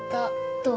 どう？